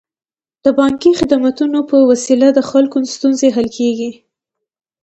د بانکي خدمتونو په وسیله د خلکو ستونزې حل کیږي.